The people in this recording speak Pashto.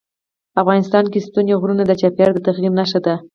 افغانستان کې ستوني غرونه د چاپېریال د تغیر نښه ده.